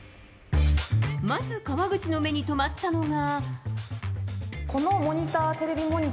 まず、川口の目に留まったのが。